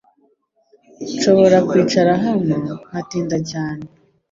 Nshobora kwicara hano, nkatinda cyane